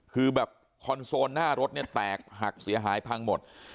คือแบบคอนโซลหน้ารถเนี่ยแตกหักเสียหายพังหมด